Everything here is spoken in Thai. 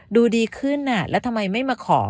ดูดีขึ้นแล้วทำไมไม่มาขอ